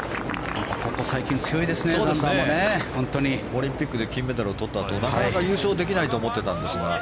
オリンピックで金メダルをとったあとなかなか優勝できないと思っていたんですが